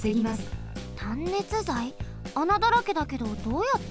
あなだらけだけどどうやって？